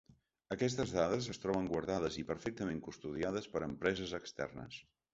Aquestes dades es troben guardades i perfectament custodiades per empreses externes.